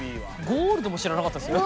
ゴールドも知らなかったですよ。